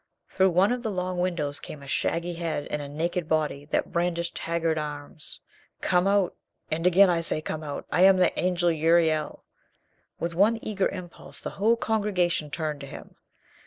Through one of the long windows came a shaggy head and a naked body that brandished haggard arms. "Come out! And again I say, come out! I am the Angel Uriel." With one eager impulse the whole congregation turned to him.